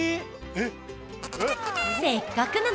えっ？